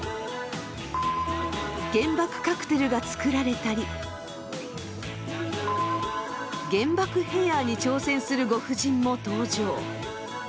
原爆カクテルが作られたり原爆ヘアーに挑戦するご婦人も登場。